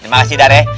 terima kasih dare